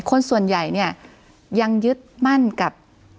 คนส่วนใหญ่เนี่ยยังยึดมั่นกับ